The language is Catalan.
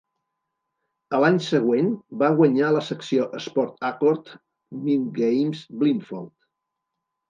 A l'any següent va guanyar la secció Sport Accord Mindgames Blindfold.